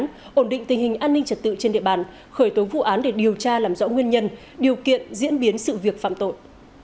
hình hình an ninh trật tự trên địa bàn khởi tố vụ án để điều tra làm rõ nguyên nhân điều kiện diễn biến sự việc phạm tội